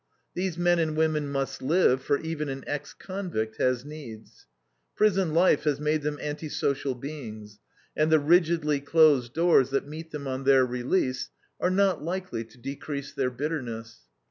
These men and women must live, for even an ex convict has needs. Prison life has made them anti social beings, and the rigidly closed doors that meet them on their release are not likely to decrease their bitterness.